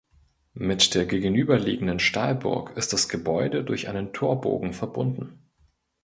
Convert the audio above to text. Mit der gegenüberliegenden Stallburg ist das Gebäude durch einen Torbogen verbunden.